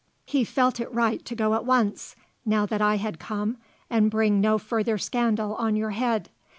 "He felt it right to go at once, now that I had come, and bring no further scandal on your head.